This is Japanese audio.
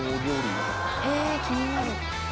えー、気になる。